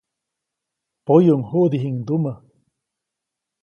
Poyuʼuŋ juʼdijiʼŋndumä.